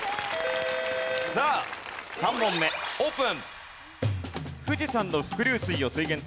さあ３問目オープン。